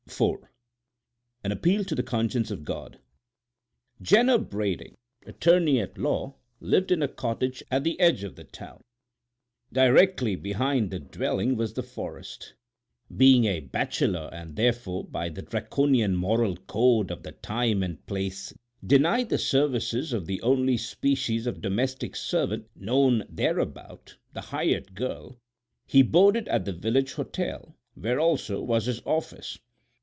IV AN APPEAL TO THE CONSCIENCE OF GOD Jenner Brading, attorney at law, lived in a cottage at the edge of the town. Directly behind the dwelling was the forest. Being a bachelor, and therefore, by the Draconian moral code of the time and place denied the services of the only species of domestic servant known thereabout, the "hired girl," he boarded at the village hotel, where also was his office.